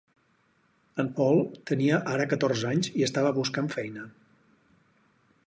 En Paul tenia ara catorze anys i estava buscant feina.